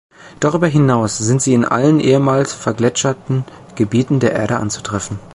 Darüber hinaus sind sie in allen ehemals vergletscherten Gebieten der Erde anzutreffen.